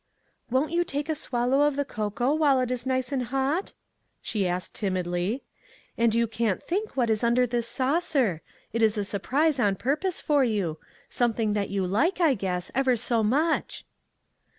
" Won't you take a swallow of the cocoa while it is nice and hot?" she asked timidly, " and you can't think what is under this saucer. It is a surprise on purpose for you; something that you like, I guess, ever so much."